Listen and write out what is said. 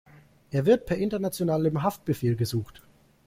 Er wird per internationalem Haftbefehl gesucht.